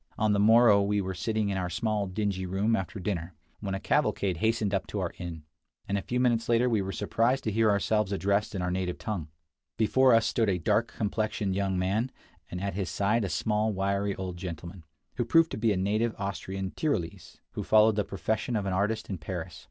On the morrow we were sitting in our small dingy room after dinner, when a cavalcade hastened up to our inn, and a few minutes later we were surprised to hear ourselves addressed in our native tongue. Before us stood a dark complexioned young 48 Across Asia on a Bicycle man, and at his side a small wiry old gentleman, who proved to be a native Austrian Tyrolese, who followed the profession of an artist in Paris.